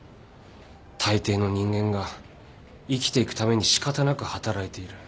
たいていの人間が生きていくために仕方なく働いている。